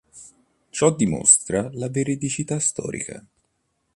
Ciò dimostra la veridicità storica.